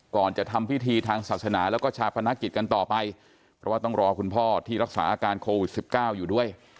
ก่อนจะทำพิธีทางศาสนาแล้วก็ชาปนกิจกันต่อไปเพราะว่าต้องรอคุณพ่อที่รักษาอาการโควิด๑๙อยู่ด้วย